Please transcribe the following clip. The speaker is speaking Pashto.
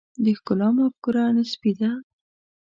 د ښکلا مفکوره نسبي ده.